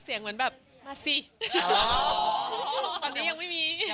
เหมือนแบบมาสิตอนนี้ยังไม่มี